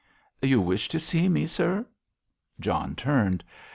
"You wish to see me, sir?" John turned.